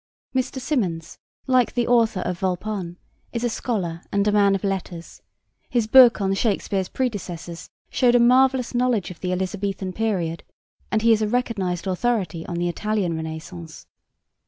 Mr. Symonds, like the author of Volpone, is a scholar and a man of letters; his book on Shakspeare's Predecessors showed a marvellous knowledge of the Elizabethan period, and he is a recognised authority on the Italian Renaissance.